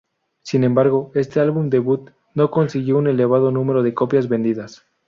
Sin embargo, este álbum debut no consiguió un elevado número de copias vendidas.